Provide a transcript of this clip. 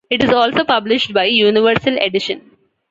It is also published by Universal Edition.